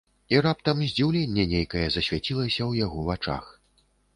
І раптам здзіўленне нейкае засвяцілася ў яго вачах.